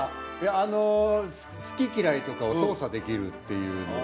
あの好き嫌いとかを操作できるっていうのは。